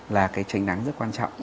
là tranh nắng rất quan trọng